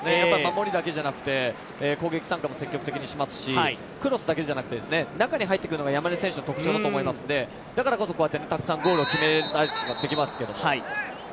守りだけじゃなくて攻撃参加も積極的にしますしクロスだけじゃなくて中に入ってくるのが山根選手の特徴だと思いますので、だからこそこうやってたくさんゴールを決められるんだと思いますけれども。